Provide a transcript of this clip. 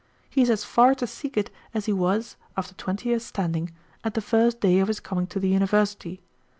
he is as far to seek it as he was (after twenty years' standing) at the first day of his coming to the University.